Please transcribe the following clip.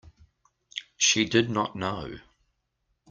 She did not know.